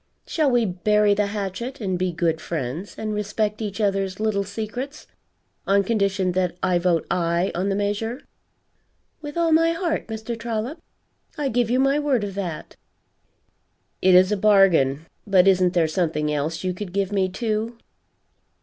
Shall we bury the hatchet and be good friends and respect each other's little secrets, on condition that I vote Aye on the measure?" "With all my heart, Mr. Trollop. I give you my word of that." "It is a bargain. But isn't there something else you could give me, too?"